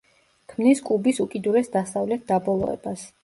ქმნის კუბის უკიდურეს დასავლეთ დაბოლოებას.